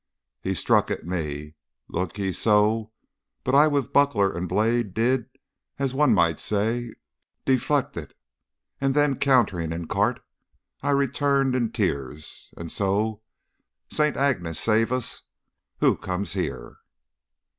He struck at me, look ye, so; but I, with buckler and blade, did, as one might say, deflect it; and then, countering in carte, I returned in tierce, and so St. Agnes save us! who comes here?